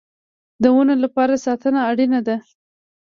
د ونو لپاره ساتنه اړین ده